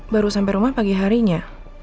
baru sampai rumah pagi harinya